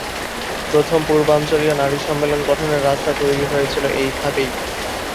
প্রথম পূর্বাঞ্চলীয় নারী সম্মেলন গঠনের রাস্তা তৈরি হয়েছিল এইভাবেই।